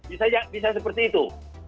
iya bisa seperti itu